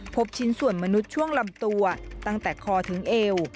พบชิ้นส่วนมนุษย์ช่วงลำตัวตั้งแต่คอถึงเอว